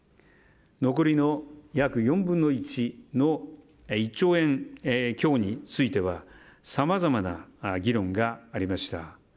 残りの約４分の１の１兆円強についてはさまざまな議論がありました。